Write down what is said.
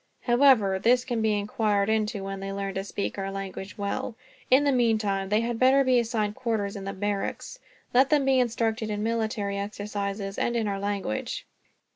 "However, this can be inquired into when they learn to speak our language well. In the meantime, they had better be assigned quarters in the barracks. Let them be instructed in military exercises, and in our language."